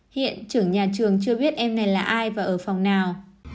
hiện trưởng nhà trường chưa biết em này là ai và ở phòng nào